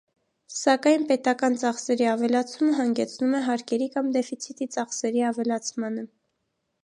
Սակայն պետական ծախսերի ավելացումը հանգեցնում է հարկերի կամ դեֆիցիտի ծախսերի ավելացմանը։